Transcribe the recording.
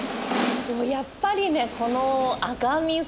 やっぱりねこの赤味。